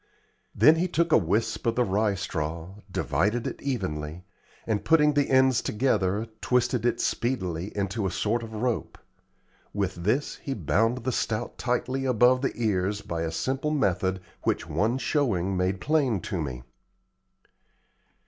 Then he took a wisp of the rye straw, divided it evenly, and putting the ends together, twisted it speedily into a sort of rope. With this he bound the stout tightly above the ears by a simple method which one showing made plain to me.